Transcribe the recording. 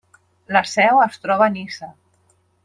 La seu es troba a Niça.